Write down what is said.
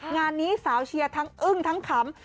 งานนี้สาวเชียร์ทั้งอึ้งทั้งขำ